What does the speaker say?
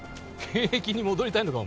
現役に戻りたいのか